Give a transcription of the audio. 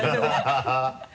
ハハハ